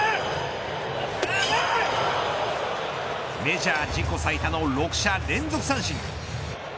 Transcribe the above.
メジャー自己最多の６者連続三振。